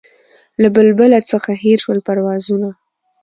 له بلبله څخه هېر سول پروازونه